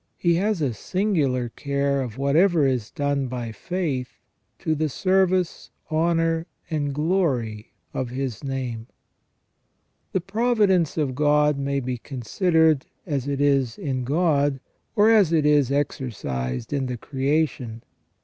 He has a singular care of whatever is done by faith to the service, honour, and glory of His name. The providence of God may be considered as it is in God, or as it is exercised in the creation.